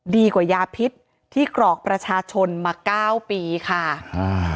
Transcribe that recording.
ดีกว่ายาพิษที่กรอกประชาชนมาเก้าปีค่ะอ่า